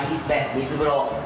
水風呂。